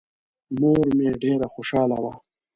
مور مې ډېره خوشحاله وه.